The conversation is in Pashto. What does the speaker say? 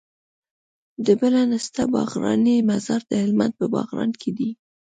د بله نسته باغرانی مزار د هلمند په باغران کي دی